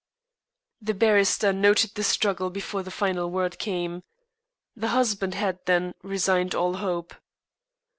The barrister noted the struggle before the final word came. The husband had, then, resigned all hope.